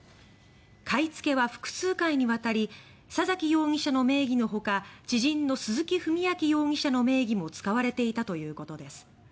買いつけは複数回に渡り佐崎容疑者の名義のほか知人の鈴木文章容疑者の名義も使われていたということです。